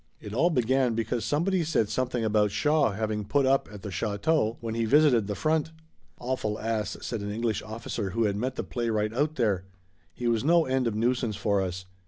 It all began because somebody said something about Shaw having put up at the château when he visited the front. "Awful ass," said an English officer who had met the playwright out there. "He was no end of nuisance for us.